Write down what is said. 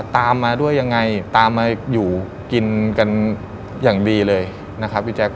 ตามมาด้วยยังไงตามมาอยู่กินกันอย่างดีเลยนะครับพี่แจ๊ค